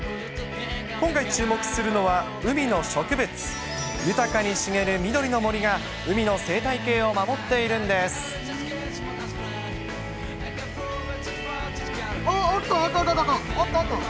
今回注目するのは、海の植物、豊かに茂る緑の森が海の生態系を守っているんです。